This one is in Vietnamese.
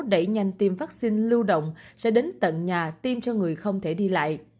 đẩy nhanh tiêm vaccine lưu động sẽ đến tận nhà tiêm cho người không thể đi lại